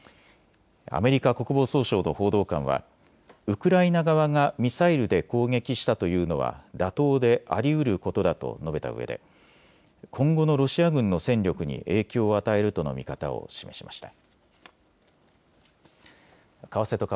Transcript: アメリカ国防総省の報道官はウクライナ側がミサイルで攻撃したというのは妥当でありうることだと述べたうえで今後のロシア軍の戦力に影響を与えるとの見方を示しました。